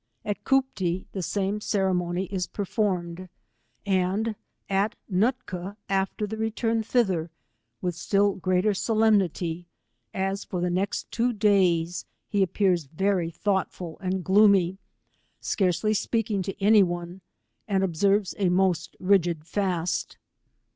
At Cooptee the seme cere mony is performed, and at Nootka after the return thither, with still greater solemnity, as for the ne.xt two days he appears very thoughtful and gloomy, scarcely speaking to any one,, and observes a most rigid last.